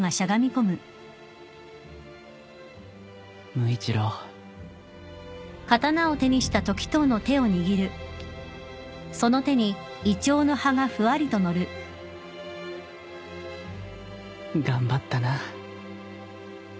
無一郎頑張ったな